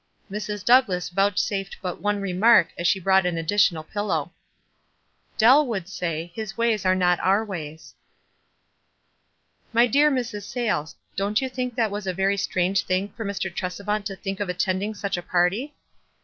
Mrs. Douglass vouchsafed but one remark as she brought an additional pillow. "Dell would say, f His ways are not our ways.'" "My dear Mrs. Sayles, don't you think it was a very strange thing for Mr. Tresevant to think of attending such a party